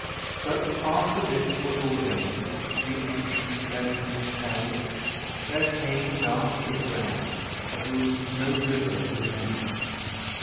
But after this was ordained, (The ancient legends tell), There came dark Israel, For whom no River remained.